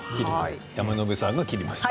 山野辺さんが切りました。